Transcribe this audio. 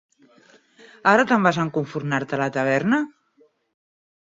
Ara te'n vas a encofurnar-te a la taverna?